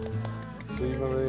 すいません